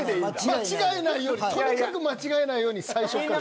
間違えないようにとにかく間違えないように最初から。